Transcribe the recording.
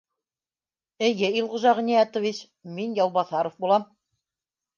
— Эйе, Илғужа Ғиниәтович, мин — Яубаҫаров булам